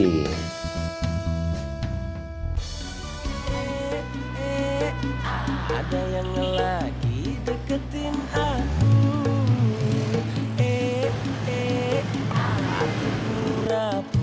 eh eh eh ada yang lagi deketin aku